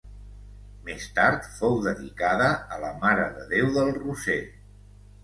Més tard fou dedicada a la Mare de Déu del Roser.